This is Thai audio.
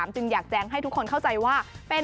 จึงอยากแจ้งให้ทุกคนเข้าใจว่าเป็น